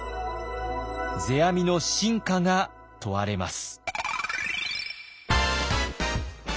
世阿弥の真価が問われます。